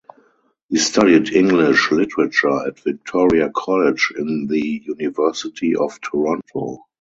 He studied English literature at Victoria College in the University of Toronto.